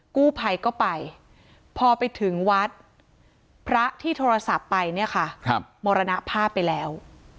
กู้ภัยก็ไปพอไปถึงวัดพระที่โทรศัพท์ไปเนี่ยค่ะมรณภาพไปแล้ว